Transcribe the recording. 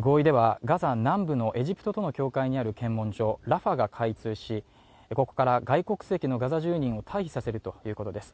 合意では、ガザ南部のエジプトとの境界にある検問所、ラファが開通し、ここから外国籍のガザ住人を退避させるということです。